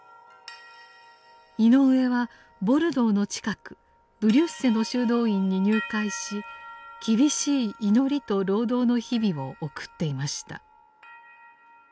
井上はボルドーの近くブリュッセの修道院に入会し厳しい祈りと労働の日々を送っていました。